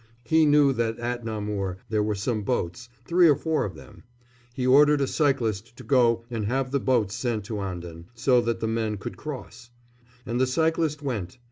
He knew that at Namur there were some boats, three or four of them. He ordered a cyclist to go and have the boats sent to Anden, so that the men could cross. And the cyclist went.